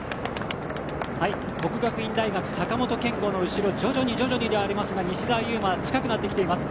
國學院大學、坂本健悟の後ろ徐々に徐々にではありますが西澤侑真が近くなっています。